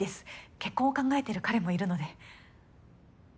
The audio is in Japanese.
結婚を考えてる彼もいるので。